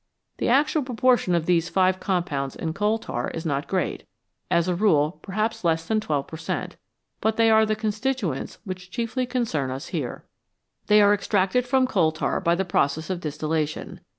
The actual proportion of these five compounds in coal tar is not great as a rule, perhaps less than 12 per cent., but they are the constituents which chiefly concern us here. They are extracted from coal tar by the process of distillation.